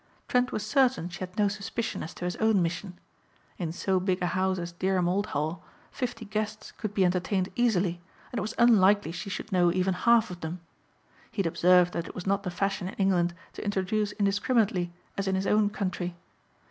Trent was certain she had no suspicion as to his own mission. In so big a house as Dereham Old Hall fifty guests could be entertained easily and it was unlikely she should know even half of them. He had observed that it was not the fashion in England to introduce indiscriminately as in his own country.